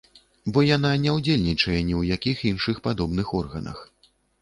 Бо яна не ўдзельнічае ні ў якіх іншых падобных органах.